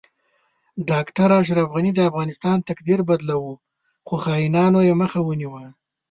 ډاکټر اشرف غنی د افغانستان تقدیر بدلو خو خاینانو یی مخه ونیوه